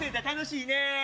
楽しいねえ